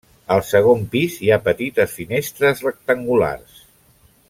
Al segon pis hi ha petites finestres rectangulars.